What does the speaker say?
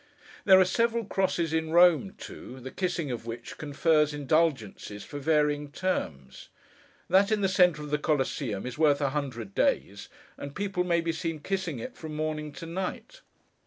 There are several Crosses in Rome too, the kissing of which, confers indulgences for varying terms. That in the centre of the Coliseum, is worth a hundred days; and people may be seen kissing it from morning to night.